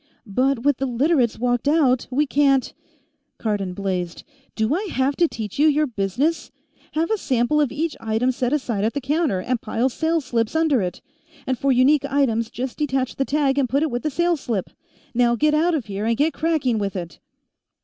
"But with the Literates walked out, we can't " Cardon blazed: "Do I have to teach you your business? Have a sample of each item set aside at the counter, and pile sales slips under it. And for unique items, just detach the tag and put it with the sales slip. Now get out of here, and get cracking with it!"